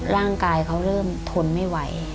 ร่างกายเขาเริ่มทนไม่ไหว